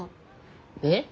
えっ？